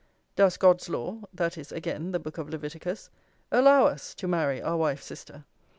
Does God's law (that is, again, the Book of Leviticus) allow us to marry our wife's sister?